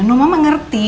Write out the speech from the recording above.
nuh mama ngerti